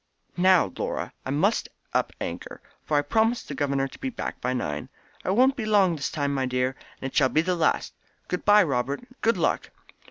"Now, Laura, I must up anchor, for I promised the governor to be back by nine. It won't be long this time, dear, and it shall be the last. Good bye, Robert! Good luck!"